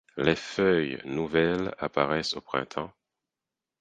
Les feuilles nouvelles apparaissent au printemps.